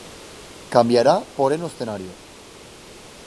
Cambiará porén o escenario.